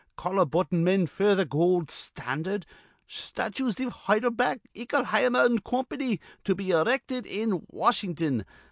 Collar button men f'r th' goold standard. Statues iv Heidelback, Ickleheimer an' Company to be erected in Washington.